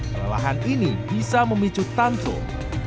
kelelahan ini bisa memicu tansum